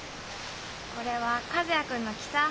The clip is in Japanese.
これは和也君の木さぁ。